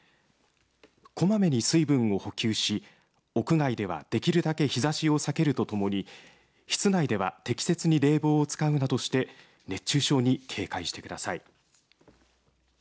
こまめに水分を補給し屋外ではできるだけ日ざしを避けるとともに室内では適切に冷房を使うなどして熱中症に警戒してください。